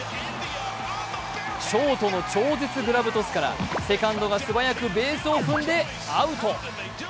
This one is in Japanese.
ショートの超絶グラブトスからセカンドが素早くベースを踏んでアウト。